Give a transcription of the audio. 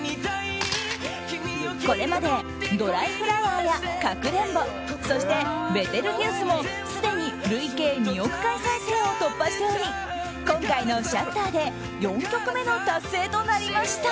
これまで「ドライフラワー」や「かくれんぼ」そして「ベテルギウス」もすでに累計２億回再生を突破しており今回の「シャッター」で４曲目の達成となりました。